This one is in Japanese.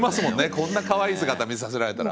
こんなかわいい姿見させられたら。